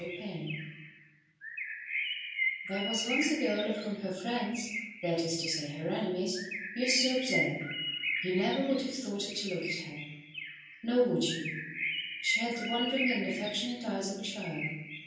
THE GOOD NAME THERE was once a girl of whom her friends that is to say her enemies used to observe: "You never would have thought it to look at her." Nor would you. She had the wondering and affectionate eyes of a child.